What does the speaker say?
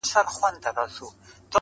• کاينات راڅه هېريږي ورځ تېرېږي.